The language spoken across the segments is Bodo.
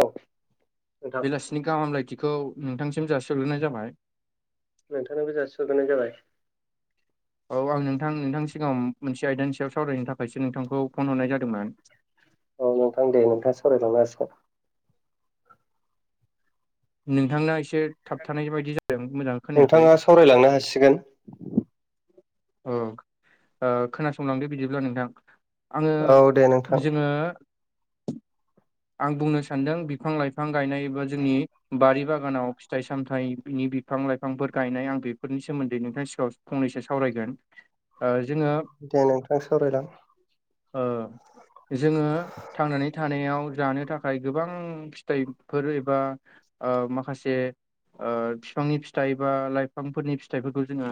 औ नोंथां बेलासिनि गाहाम हामलायथिखौ नोंथांसिम जासि हरग्रोनाय जाबाय। नोंथांनोबो जासि हरग्रोनाय जाबाय। औ आं नोंथां नोंथांनि सिगाङाव मोनसे आयदानि सायाव सावरायनो थाखायसो नोंथांखौ फन हरनाय जादोंमोन। औ नोंथां दे नोंथाङा सावरायलांनो हासिगोन। नोंथांना एसे थाबथानाय बायदि जादों मोजां खोनायाखै। नोंथाङा सावरायलांनो हासिगोन। औ ओ खोनासंलांदो बिदिब्ला नोंथां आङो औ दे नोंथां जोङो आं बुंनो सान्दों बिफां लाइफां गायनाय एबा जोंनि बारि बागानाव फिथाइ सामथाइनि बि फां-लाइफांफोर गायनाय आं बेफोरनि सोमोन्दै नोंथांनि सिगाङाव फंनैसो सावरायगोन ओ जोङो दे नोंथां सावरायलां। ओ जोङो थांनानै थानायाव जानो थाखाय गोबां फिथाइफोर एबा ओ माखासे ओ फिफांनि फिथाइ बा लाइफांफोरनि फिथाइफोरखौ जोङो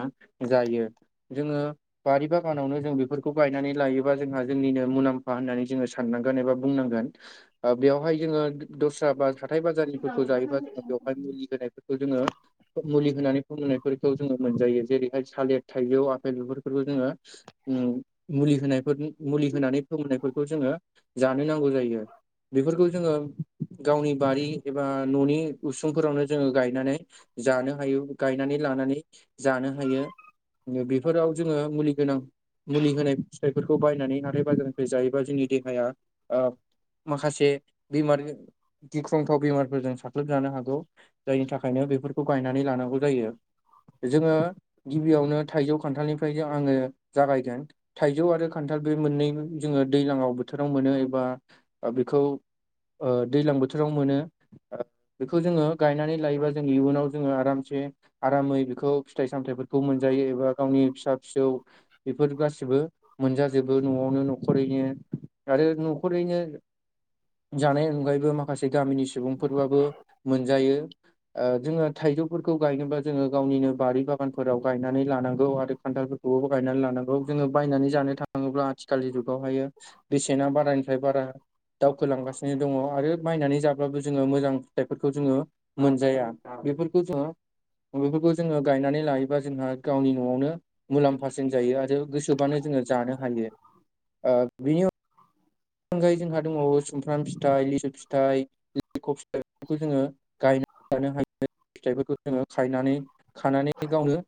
जायो। जोङो बारि बागानावनो जों बेफोरखौ गायनानै लायोबा जोंहा जोंनिनो मुलाम्फा होननानै जोङो साननांगोन एबा बुंनांगोन। ओ बेवहाय जोङो दस्रा बा हाथाय बाजारनिफोरखौ जायोबा जोङो बेवहाय मुलि होनायफोर खौ जोङो मुलि होनानै फोमोन्नायफोरखौ जोङो मोनजायो जेरैहाय सालेर थाइजौआ पेल बेफोर फोरखौ जोङो उम मुलि होनायफोर मुलि होनानै फोमोननायफोर खौ जोङो जानो नांगौ जायो। बेफोरखौ जोङो गावनि बारि एबा न'नि उसुंफोरावनो जोङो गायनानै जानो हायो गायनानै लानानै जानो हायो। बेफोराव जोङो मुलि गोनां मुलि होनाय फिथाइफोरखौ बायनानै हाथाय बाजारनिफ्राय जायोबा जोंनि देहाया ओ माखासे बेमार गिख्रंथाव बेमारफोरजों साख्लोबजानो हागौ। जायनि थाखायनो बेफोरखौ गायनानै लानांगौ जायो जोङो गिबियावनो थाइजौ, खान्थालनि [unintelligible] आङो जागायदों थाइजौ आरो खान्थाल बे मोननै जोङो दैलाङाव बोथोराव मोनो एबा ओ बेखौ ओ दैज्लां बोथोराव मोनो। [inaudible] बेखौ जोङो गायनानै लायोबा जों इयुनाव जोङो आरामसे आरामै बेखौ फिथाइ सामथाइफोरखौ मोनजायो एबा गावनि फिसा-फिसौ बेफोर गासिबो मोनजाजोबो न'आवनो न'खरैनो आरो न'खरैनो जानायनि अनगायैबो माखासे गामिनि सुबुंफोरबाबो मोनजायो। ओ जोङो थाइजौफोरखौ गायनोब्ला जोङो गावनिनो बारि बागानफोराव गायनानै लानांगौ आरो खान्थालफोर [unintelligible] गायनानै लानांगौ जोङो बायनानै जानो थाङोब्ला आथिखालनि जुगावहायो बेसेना बारानिफ्राय बारा दावखोलांगासिनो दङ' आरो बायनानै जा बाबो जोङो मोजां फिथाइफोरखौ जोङो मोनजाया बेफोरखौ जोङो अ बेफोरखौ जोङो गायनानै लायो बा जोंहा गावनि न'आवनो मुलाम्फासिन जायो आरो गोसोबानो जोङो जानो हायो। ओ बिनि अन अनगायै जोंहा दङ' सुमफ्राम फिथाइ लिसु फिथाइ लेरख' फिथाइफोरखौ जोङो गायनानै लानो हायो फिथाइफोरखौ जोङो खायनानै खानानै गावनो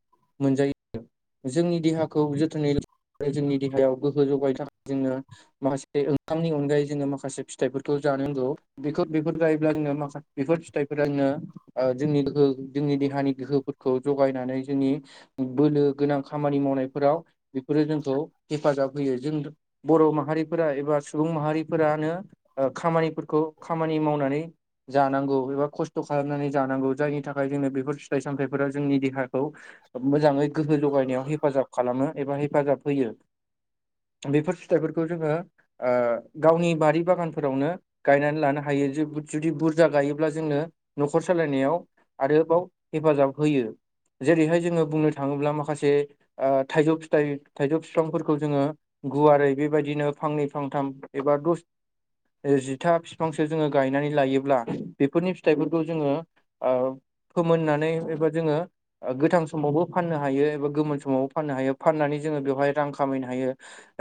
मोनजायो। जोंनि देहाखौ जोथोनै जोंनि देहायाव गोहो जौगायनो थाखाय जोङो माखासे बे ओंखामनि अनगायै जोङो माखासे फिथाइफोरखौ जानो नांगौ। बेखौ बेफोर गायोब्ला जोङो माखा बेफोर फिथाइफोरा जोंनो ओ जोंनि गोहो जोंनि देहानि गोहोफोरखौ जगायनानै जोंनि बोलो गोनां खामानि मावनायफोराव बेफोरो जोंखौ हेफाजाब होयो जों बर' माहारि फोरा एबा सुबुं माहारिफोरानो ओ खामानिफोरखौ खामानि मावनानै जानांगौ एबा खस्थ' खालामनानै जानांगौ जायनि थाखाय जोंनो बेफोर फिथाइ सामथाइफोरा जोंनि देहा खौ ओ मोजाङै गोहो जगायनायाव हेफाजाब खालामो। एबा हेफाजाब होयो बेफोर फिथाइफोरखौ जोङो ओ गावनि बारि बागानफोरावनो गायनानै लानो हायो जु जुदि बुरजा गायोब्ला जोङो न'खर सालायनायाव-' आरोबाव हेफाजाब होयो जेरैहाय जोङो बुंनो थाङोब्ला माखासे ओ थाइजौ फिथाइ थाइजौ बिफांफोरखौ जोङो गुवारै बेबायदिनो फांनै फांथाम एबा दस जिथा बिफांसो जोङो गायनानै लायोब्ला बेफोरनि फिथाइफोरखौ जोङो फोमोननानै एबा जोङो गोथां समावबो फाननो हायो एबा गोमोन समावबो फाननो हायो फाननानै जोङो बेवहाय रां खामायनो हायो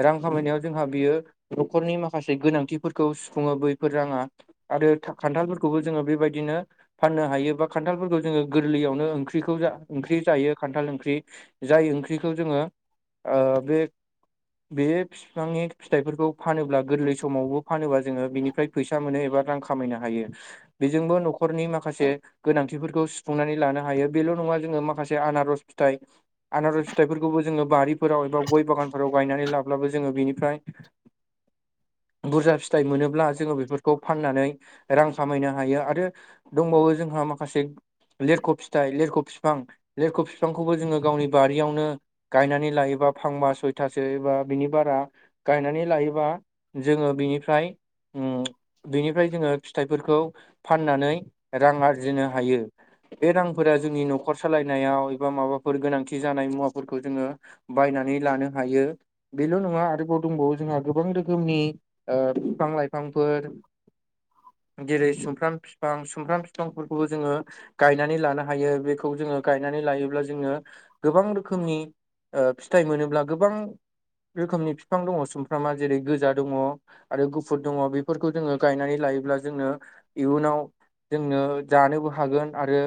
रां खामायनायाव जोंहा बेयो न'खरनि माखासे गोनांथिफोरखौ सुफुङो बैफोर राङा आरो खान्थालफोरखौबो जोङो बेबायदिनो फाननो हायो बा खान्थालफोरखौ जोङो गोरलैयावनो ओंख्रिखौ ओंख्रि जायो खान्थाल ओंख्रि जाय ओंख्रिखौ जोङो बे बे फिफांनि फिथाइफोरखौ फानोब्ला गोरलै समावबो फानोब्ला जोङो बिनिफ्राय फैसा मोनो एबा रां खामायनो हायो बेजोंबो न'खरनि माखासे गोनांथिफोरखौ सुफुंनानै लानो हायो बेल' नङा जोङो माखासे आनारस फिथाइ आनारस फिथाइफोरखौबो जोङो बारिफोराव एबा गय बागानफोराव गायनानै लाब्लाबो जोङो बेनिफ्राय बुरजा फिथाइ मोनोब्ला जोङो बेफोरखौ फाननानै रां खामायनो हायो आरो दंबावो जोंहा माखासे लिरख' फिथाइ लेरख' बिफां लिरख' बिफांखौबो जोङो गावनि बारियावनो गायनानै लायोबा फांबा सयथासो एबा बिनि बारा गायनानै लायोबा जोङो बिनिफ्राय बिनिफ्राय जोङो फिथाइफोरखौ फाननानै रां आरजिनो हायो बे रांफोरा जोंनि न'खर सालायनायाव एबा माबाफोर गोनांथि जानाय मुवाफोरखौ जोङो बायनानै लानो हायो बेल' नङा आरोबाव दंबावो जोंहा गोबां रोखोमनि बिफां लाइफांफोर जेरै सुमफ्राम फिफां सुमफ्राम फिफांफोरखौबो जोङो गायनानै लानो हायो बेखौ जोङो गायनानै लायोब्ला जोङो गोबां रोखोमनि फिथाइ मोनोब्ला गोबां रोखोमनि बिफां दङ सुमफ्रामा जेरै गोजा दङ आरो गुफुर दङ बेफोरखौ जोङो गायनानै लायोब्ला जोनो इयुनाव जोंनो जानोबो हागोन आरो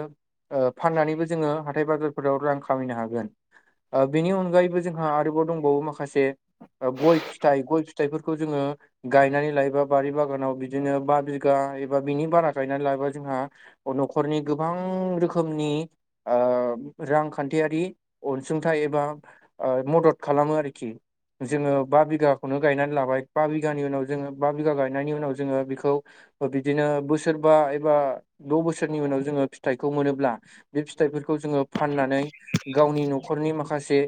फाननानैबो जोङो हाथाय बाजारफोराव रां खामायनो हागोन बेनि अनगायै बो जोंहा आरोबाव दंबावो माखासे गय फिथाइ गय फिथाइफोरखौ जोङो गायनानै लायोबा बारि बागानाव बिदिनो बा बिगा एबा बिनि बारा गायनानै लायोबा जोंहा न'खरनि गोबां रोखोमनि रांखान्थियारि अनसुंथाइ एबा मदद खालामो आरोखि जोङो बा बिगाखौनो गायनानै लाबाय बा बिगानि उनाव जोङो बा बिगा गायनायनि उनाव जोङो बेखौ बिदिनो बोसोरबा एबा द' बोसोरनि उनाव जोङो फिथाइखौ मोनोब्ला बे फिथाइफोरखौ जोङो फाननानै गावनि न'खरनि माखासे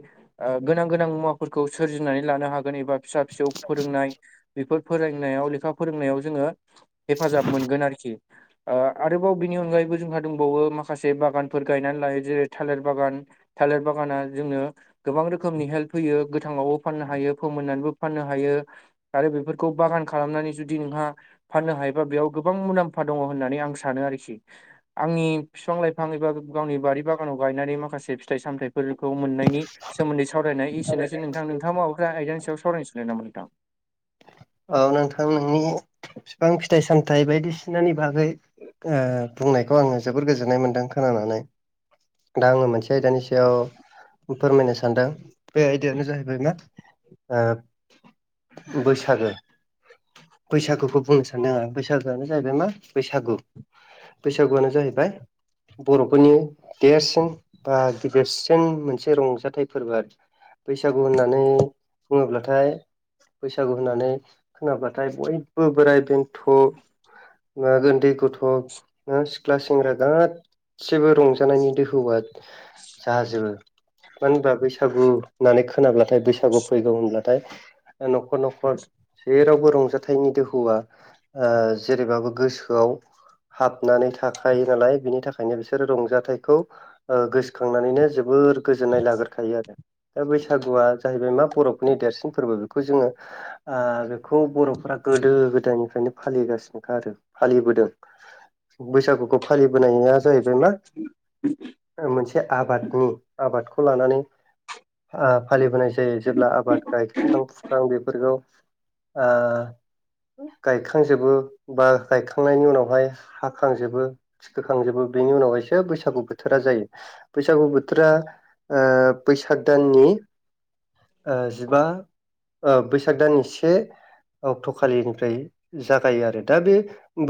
गोनां गोनां मुवाफोरखौ सोरजि नानै लानो हागोन एबा फिसा फिसौ फोरोंनाय बेफोर फोरोंनायाव लेखा फोरोंनायाव जोङो हेफाजाब मोनगोन आरोखि आरोबाव बिनि अनगायैबो जोंहा दंबावो माखासे बागानफोर गायनानै लायो जेरै थालिर बागान थालिर बागाना जोंनो गोबां रोखोमनि हेल्प होयो गोथाङाव फाननो हायो फोमोननानैबो फाननो हायो आरो बेफोरखौ बागान खालामनानै जुदि नोंहा फाननो हायोबा बेयाव गोबां मुलाम्फा दङ होननानै आं सानो आरोखि आंनि बिफां लाइफां एबा गावनि बारि बागानाव गायनानै माखासे फिथाइ सामथाइफोरखौ मोननायनि सोमोन्दै सावरायनाय एसेनोसै नोंथां नोंथाङाबो माबाफोर आयदानि सायाव सावरायनो सानदों नामा नोंथां औ नोंथां नोंनि बिफां फिथाइ सामथाइ बायदिसिनानि बागै बुंनायखौ आङो जोबोर गोजोननाय मोन्दों खोनानानै दा आङो मोनसे आयदानि सायाव फोरमायनो सान सानदों बे आयदायानो जाहैबाय मा बैसागो बैसागुखौ बुंनो सानदों आं बैसागुआनो जाहैबाय मा बैसागु बैसागुआनो जाहैबाय बर'फोरनि देरसिन बा गिदिरसिन मोनसे रंजाथाइ फोरबो आरो। बैसागु होननानै बुङोब्लाथाय बैसागु होननानै खोनाबाथाय बयबो बोराइ बेन्थ' ना उन्दै गथ' ना सिख्ला सेंग्रा गाद सिबो रंजानायनि दोहौआ जाजोबो। मानो होनबा बैसागु होननानै खोनाब्लाथाय बैसागु फैगौ होनब्लाथाय ओ न'खर न'खर जेरावबो रंजाथाइनि दोहौआ ओ जेरैबाबो गोसोआव हाबनानै थाखायो नालाय बिनि थाखायनो बिसोरो रंजाथाइखौ ओ गोसोखांनानैनो जोबोर गोजोननाय लाग्रोखायो आरो। दा बैसागुआ जाहैबाय मा बर'फोरनि देरसिन फोरबो बेखौ जोङो आं बेखौ बर'फोरा गोदो गोदायनिफ्रायनो फालिगासिनोखा आरो फालिबोदों। बैसागुखौ फालिबोनाया जाहैबाय मा ओ मोनसे जे आबादनि आबादखौ लानानै आ फालिबोनाय जायो जेब्ला आबाद गायखां फुखां बेफोरखौ आ गायखांजोबो बा गायखांनायनि उनावहाय हाखांजोबो फोखांजोबो बेनि उनावहायसो बैसागु बोथोरा जायो। बैसागु बोथोरा ओ बैसाग दाननि ओ जिबा ओ बैसाग दाननि से अक्ट'खालिनिफ्राय जागायो आरो दा बे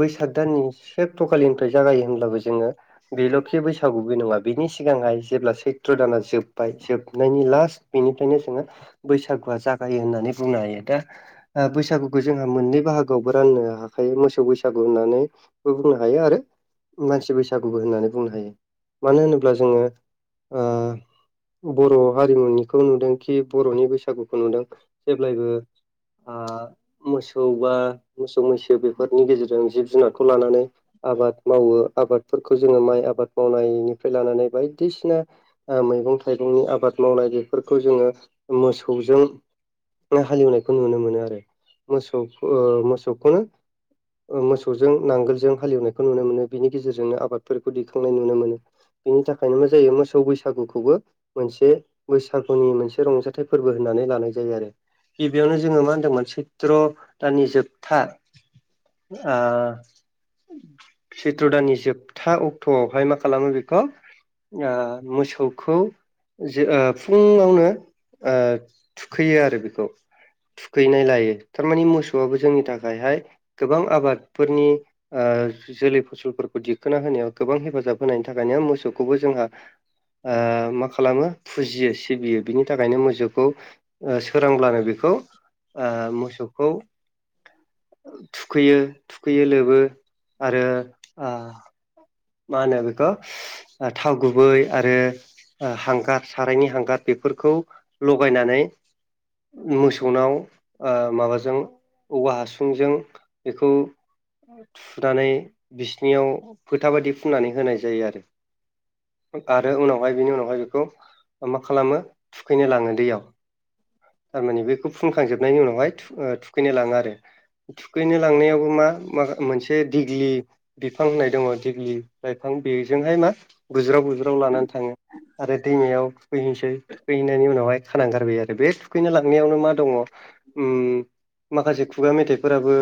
बैसाग दाननि से अक्टखालिनिफ्राय जागायो होनब्लाबो जोङो बेल'खि बैसागु बे नङा बिनि सिगांहाय जेब्ला सैथ्र दाना जोब्बाय जोबनायनि लास्ट बेनिफ्रायनो जोङो बैसागुआ जागायो होननानै बुंनो हायो दा बैसागुखौ जोंहा मोननै बाहागोआवबो राननो हाखायो मोसौ बैसागु होननानै बो बुंनो हायो आरो मानसि बैसागुबो होननानै बुंनो हायो मानो होनोब्ला जोङो ओ बर' हारिमुनिखौ नुदों खि बर'नि बैसागुखौ नुदों जेब्लायबो [inaudible] आ मोसौ बा मोसौ मैसो बेफोरनि गेजेरजों जिब जुनारखौ लानानै आबाद मावो आबादफोरखौ जोङो माइ आबाद मावनायनिफ्राय लानानै बायदिसिना ओ मैगं थाइगंनि आबाद मावनाय बेफोरखौ जोङो मोसौजों नो हालेवनायखौ नुनो मोनो आरो मोसौखो ओ मोसौखोनो ओ मोसौजों नांगोलजों हालेवनायखौ नुनो मोनो बिनि गेजेरजोंनो आबादफोरखौ दैखांनाय नुनो मोनो। बेनि थाखायनो मा जायो मोसौ बैसागुखौबो मोनसे बैसागुनि मोनसे रंजाथाइ फोरबो होननानै लानाय जायो आरो‌। बेयावनो जोङो मा होनदोंमोन सैत्र' दाननि जोबथा आ सैत्र' दाननि जोबथा अक्ट'आवहाय मा खालामो बेखौ आ मोसौखौ जो ओ फुङावनो ओ थुखैयो आरो बेखौ थुखैनाय लायो थारमानि मोसौआबो जोंनि थाखायहाय गोबां आबादफोरनि आं जोलै फसलफोरखौ दिखोना होनायाव गोबां हेफाजाब होनायनि थाखायनो मोसौखौबो जोंहा आ मा खालामो फुजियो सिबियो बिनि थाखायनो मोजौखौ ओ सोरांब्लानो बेखौ आ मोसौखौ थुखैयो थुखैयो लोबो आरो आ मा होनो बेखौ थाव गुबै आरो आं हांगार सारायनि हांगार बेफोरखौ लगायनानै मोसौनाव ओ माबाजों औवा हासुंजों बेखौ थुनानै बिसिनियाव फो फोथा बायदि फुननानै होनाय जायो आरो आरो उनावहाय बेनि उनावहाय बेखौ मा खालामो थुखैनो लाङो दैयाव थारमानि बेखौ फुनखांजोबनायनि उनावहाय थुखैनो लाङो आरो थुखैनो लांनायावबो मा मा मोनसे दिग्लि बिफां होननाय दङ देग्लि लाइफां बेजोंहाय मा बुज्राव बुज्राव लानानै थाङो। आरो दैमायाव थुखैहैसै थुखैहैनायनि उनावहाय खाना गारबाय आरो बे थुखैनो लांनायावनो मा दङ उम माखासे खुगा मेथाइफोराबो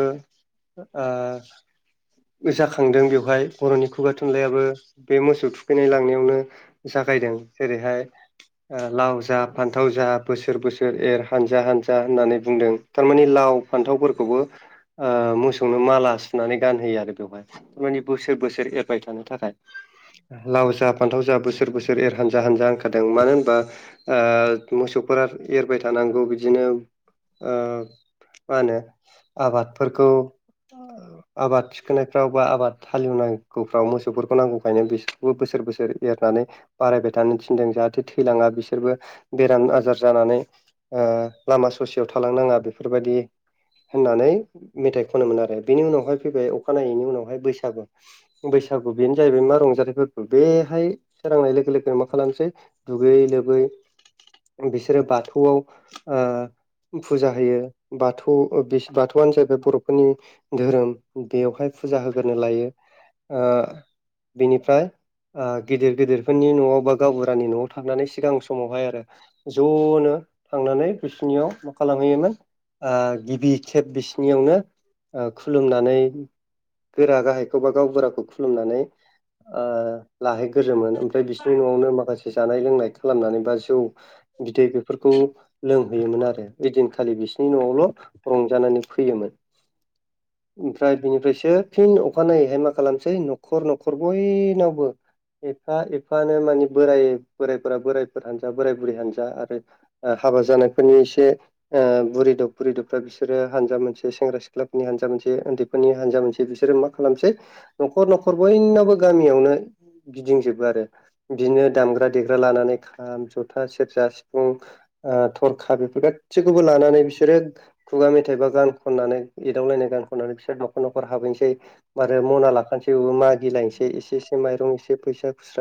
ओ जाखांदों बेवहाय बर'नि खुगा थुनलाइयाबो बे मोसौ थुखैनाय लांनायावनो जागायदों जेरैहाय लाव जा फान्थाव जा बोसोर बोसोर एर हानजा हानजा होननानै बुंदों थारमाने लाव फान्थावफोरखौबो ओ मोसौनो माला सुनानै गानहोयो आरो बेवहाय माने बो बोसोर बोसोर एरबाय थानो थाखाय लाव जा फान्थाव जा बोसोर बोसोर एर हानजा हानजा होनखादों मानो होनबा ओ मोसौफोरा एरबाय थानांगौ बिदिनो ओ मा होनो आबादफोरखौ आबाद थिखोनायफ्राव बा आबाद हाल एवनांगौफ्राव मोसौफोरखौ नांगौखायनो बिसोरखौबो बोसोर बोसोर एरनानै बारायबाय थानो थिनदों जाहाथे थैलाङा बिसोरबो बेराम आजार जानानै लामा ससेयाव थालांनाङा बेफोरबायदि होननानै मेथाइ खनोमोन आरो बेनि उनावहाय फैबाय अखानायैनि उनावहाय बैसागु बैसागु बेनो जाहैबाय मा रंजालि फोरबो बेहाय सोरांनाय लोगो लोगोन मा खालामसै दुगैयै लोबै बिसोरो बाथौआव ओ फुजा होयो बाथौ बाथौआनो जाहैबाय बर'फोरनि धोरोम बेवहाय फुजा होग्रो लायो ओ बेनिफ्राय ओ‌ गिदिर गिदिरफोरनि न'वाव बा गावबुरानि न'वाव थांनानै सिगां समावहाय आरो ज'नो थांनानै बिसिनियाव मा खालामहैयोमोन ओ गिबि खेब बिसि बिनियावनो ओ खुलुमनानै गोरा गाहायखौ बा गावबुराखौ खुलुमनानै ओ लाहैग्रोमोन ओमफ्राय बिसोरनि न'वावनो माखासे जानाय लोंनाय खालामनानै बा जौ बिदै बेफोरखौ लोंहैयोमोन आरो ओइदिनखालि बिसिनि न'वावल' रंजानानै फैयोमोन ओमफ्राय बिनिफ्रायसो फिन अखानायैहाय मा खालामसै नखर नखर बयनावबो एफा एफानो माने बोराइ बोराइफोरा बोराइफोर हानजा बोराइ बुरै हानजा आरो ओ हाबा जानायफोरनि एसे ओ बुरिदब बुरिदबफ्रा बिसोरो हानजा मोनसे सेंग्रा सिख्लाफोरनि हानजा मोनसे उन्दैफोरनि हानजा मोनसे बिसोरो मा खालामसै नखर नखर बयनावबो गामियावनो गिदिंजोबो आरो बिदिनो दामग्रा देग्रा लानानै खाम जथा सेरजा सिफुं ओ थरखा बेफोर गासैखौबो लानानै बिसोरो खुगा मेथाइ बा ग खननानै एदावलायनाय गान खननानै बिसोर नखरनाव नखर हाबैनोसै आरो मना लाखानोसै बेाबो मागिलायनोसै एसे एसे माइरं एसे फैसा खुस्रा